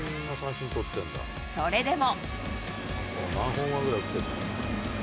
それでも。